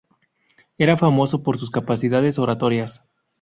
Era famoso por sus capacidades oratorias.